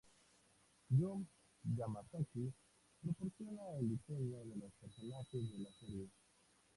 Jun Yamazaki proporciona el diseño de los personajes de la serie.